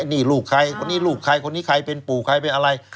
นี่ลูกใครคนนี้ลูกใครคนนี้ใครเป็นปู่ใครเป็นอะไร